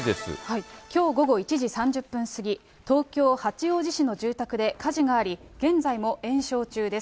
きょう午後１時３０分過ぎ、東京・八王子市の住宅で火事があり、現在も延焼中です。